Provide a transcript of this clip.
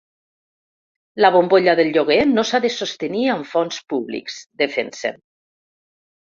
La bombolla del lloguer no s’ha de sostenir amb fons públics, defensen.